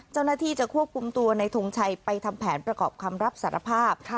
เจ้าหน้าที่จะควบคุมตัวในทงชัยไปทำแผนประกอบคำรับสารภาพ